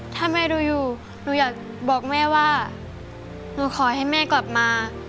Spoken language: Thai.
ถ้าแม่ดูอยู่หนูอยากบอกแม่ว่าหนูขอให้แม่กลับมา